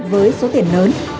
với số tiền lớn